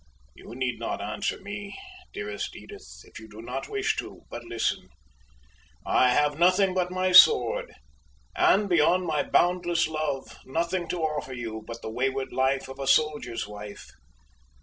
You need not answer me, dearest Edith, if you do not wish to; but listen I have nothing but my sword, and beyond my boundless love nothing to offer you but the wayward fate of a soldier's wife.